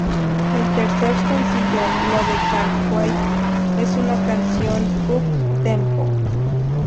El tercer sencillo, "Love can't wait", es una canción up tempo.